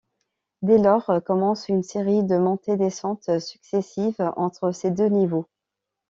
Dès lors commence une série de montées-descentes successives entre ces deux niveaux.